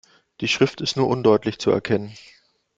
Die Schrift ist nur undeutlich zu erkennen.